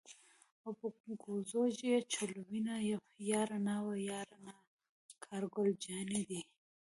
او په کوزو یې چلوینه یاره نا وه یاره نا کار ګل جانی دی.